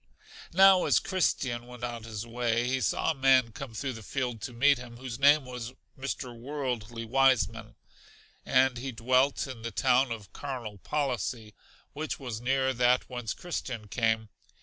Now as Christian went on his way he saw a man come through the field to meet him, whose name was Mr. Worldly Wiseman, and he dwelt in the town of Carnal Policy, which was near that whence Christian came.